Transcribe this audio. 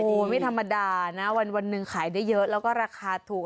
โอ้โหไม่ธรรมดานะวันหนึ่งขายได้เยอะแล้วก็ราคาถูก